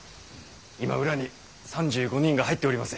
今裏に３５人が入っております。